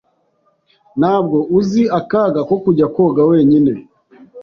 Ntabwo uzi akaga ko kujya koga wenyine?